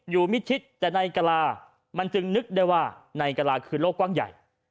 อยู่มิดชิดแต่ในกราศวงศ์มันจึงนึกได้ว่าในกราศวงศ์คือโลกกว้างใหญ่